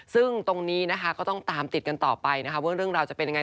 ซึ่งตรงนี้นะคะก็ต้องตามติดกันต่อไปนะคะว่าเรื่องราวจะเป็นยังไง